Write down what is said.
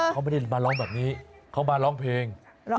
เขาไม่ได้มาร้องแบบนี้เขามาร้องเพลง